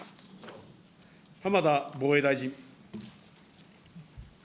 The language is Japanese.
ま浜田防衛大臣。